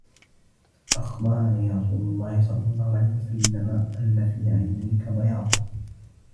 أَخْبَرَنِي رَسُولُ اللَّهِ صَلَّى اللَّهُ عَلَيْهِ وَسَلَّمَ أَنَّ فِي عَيْنَيْك بَيَاضًا